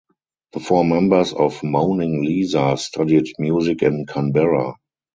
The four members of Moaning Lisa studied music in Canberra.